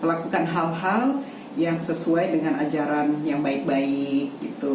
melakukan hal hal yang sesuai dengan ajaran yang baik baik gitu